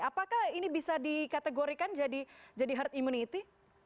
apakah ini bisa dikategorikan jadi herd immunity